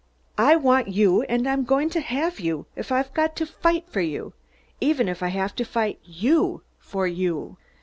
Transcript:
I want you and I'm to have you, if I've got to fight for you. Even if I have to fight you for you."